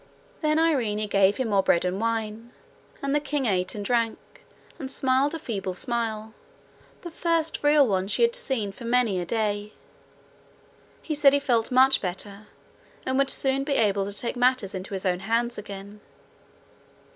Then Irene gave him more bread and wine, and the king ate and drank, and smiled a feeble smile, the first real one she had seen for many a day. He said he felt much better, and would soon be able to take matters into his own hands again.